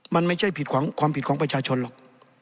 มันไม่ใช่ผิดความผิดของประชาชนหรอก